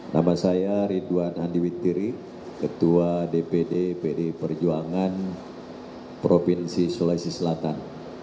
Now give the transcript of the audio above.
nama saya ridwan andi witiri ketua dpd pdi perjuangan provinsi sulawesi selatan